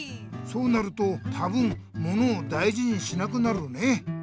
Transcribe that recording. そうなるとたぶんものをだいじにしなくなるね。